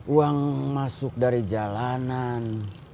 uang masuk dari jalanan